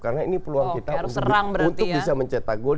karena ini peluang kita untuk bisa mencetak gol